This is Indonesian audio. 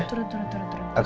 turun turun turun